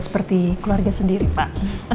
seperti keluarga sendiri pak